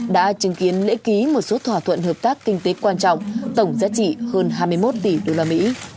đã chứng kiến lễ ký một số thỏa thuận hợp tác kinh tế quan trọng tổng giá trị hơn hai mươi một tỷ usd